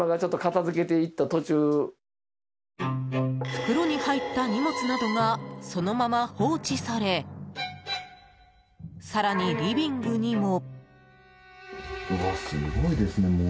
袋に入った荷物などがそのまま放置され更にリビングにも。